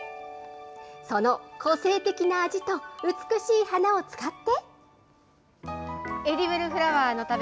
その個性的な味と、美しい花を使って。